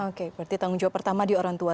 oke berarti tanggung jawab pertama di orang tua